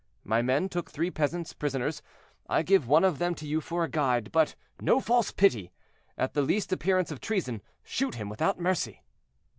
My men took three peasants prisoners; I give one of them to you for a guide—but no false pity! at the least appearance of treason shoot him without mercy."